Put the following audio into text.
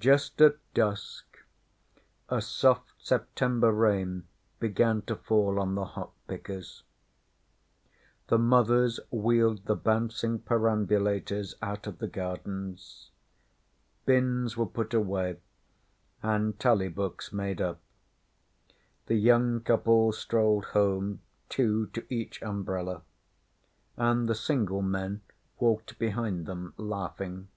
Just at dusk, a soft September rain began to fall on the hop pickers. The mothers wheeled the bouncing perambulators out of the gardens; bins were put away, and tally books made up. The young couples strolled home, two to each umbrella, and the single men walked behind them laughing.